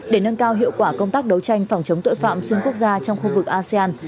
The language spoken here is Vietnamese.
để nâng cao hiệu quả công tác đấu tranh phòng chống tội phạm xuyên quốc gia trong khu vực asean